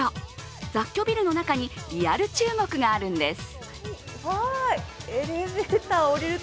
雑居ビルの中にリアル中国があるんです。